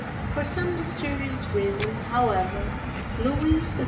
For some mysterious reason, however, Louis XIII.